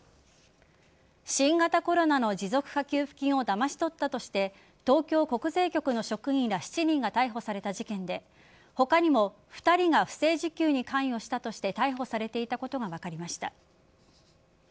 新型コロナの持続化給付金をだまし取ったとして東京国税局の職員ら７人が逮捕された事件で他にも２人が不正時給に関与したとして逮捕されていたことが分かりました。